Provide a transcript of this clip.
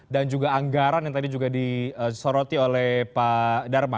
dan juga anggaran yang tadi juga disoroti oleh pak dharma